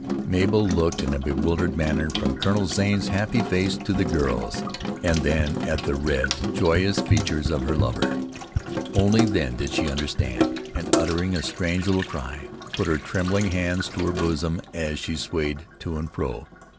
Mabel looked in a bewildered manner from Colonel Zane's happy face to the girls, and then at the red, joyous features of her lover. Only then did she understand, and uttering a strange little cry, put her trembling hands to her bosom as she swayed to and fro.